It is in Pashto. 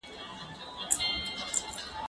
زه اوږده وخت لاس پرېولم وم